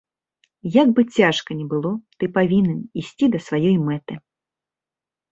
Як бы цяжка не было, ты павінен ісці да сваёй мэты.